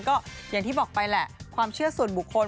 ก็อย่างที่บอกไปแหละความเชื่อส่วนบุคคล